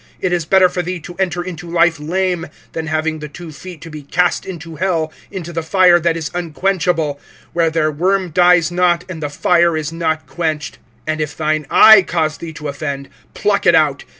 It is better for thee to enter into life lame, than having the two feet to be cast into hell, into the fire that is unquenchable; (46)where their worm dies not, and the fire is not quenched. (47)And if thine eye cause thee to offend, pluck it out.